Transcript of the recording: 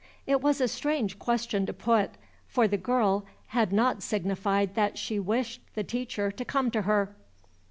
It was a strange question to put, for the girl had not signified that she wished the teacher to come to her.